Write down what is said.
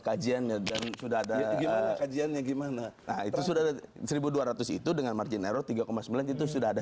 kajiannya dan sudah ada gimana kajiannya gimana nah itu sudah ada seribu dua ratus itu dengan margin error tiga sembilan itu sudah ada